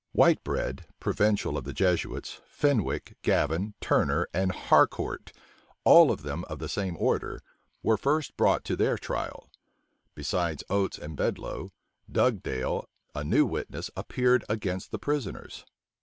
Whitebread, provincial of the Jesuits, Fenwick, Gavan, Turner, and Harcourt, all of them of the same order, were first brought to their trial. Besides Oates and Bedloe, Dugdale, a new witness, appeared against the prisoners.